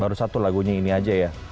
baru satu lagunya ini aja ya